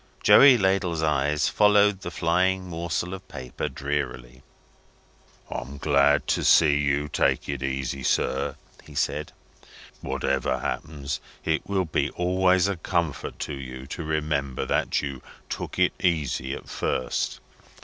Joey Ladle's eye followed the flying morsel of paper drearily. "I'm glad to see you take it easy, sir," he said. "Whatever happens, it will be always a comfort to you to remember that you took it easy at first.